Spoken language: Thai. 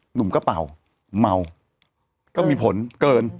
หนุ่มก็เป่าเมาก็มีผลเกิน